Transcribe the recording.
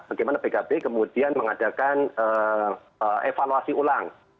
bagaimana pkb kemudian mengadakan evaluasi ulang